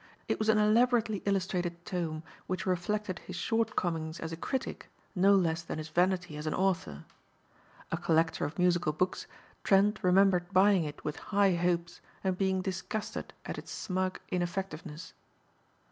It was an elaborately illustrated tome which reflected his shortcomings as a critic no less than his vanity as an author. A collector of musical books, Trent remembered buying it with high hopes and being disgusted at its smug ineffectiveness.